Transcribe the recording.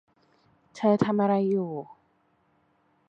เธอทำอะไรอยู่